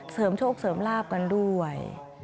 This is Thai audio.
เสริมโชคเสริมราบกันด้วย